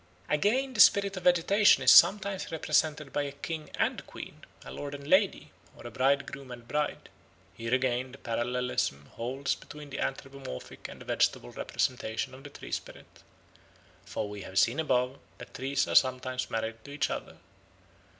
Again the spirit of vegetation is sometimes represented by a king and queen, a lord and lady, or a bridegroom and bride. Here again the parallelism holds between the anthropomorphic and the vegetable representation of the tree spirit, for we have seen above that trees are sometimes married to each other.